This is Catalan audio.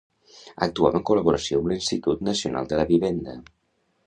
Actuava en col·laboració amb l'Institut Nacional de la Vivenda.